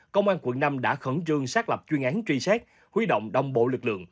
công an quận năm đã khẩn trương xác lập chuyên án truy xét huy động đồng bộ lực lượng